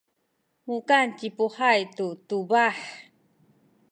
mukan ci Puhay tu tubah.